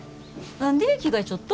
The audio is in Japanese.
何で着替えちょっと？